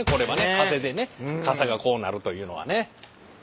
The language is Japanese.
風でね傘がこうなるというのはね。